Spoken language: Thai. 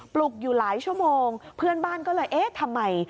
ปลุกอยู่หลายชั่วโมงเพื่อนบ้านก็เลยเอ๊ะทำไม